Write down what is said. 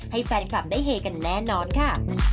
ให้แฟนคลับได้เฮกันแน่นอนค่ะ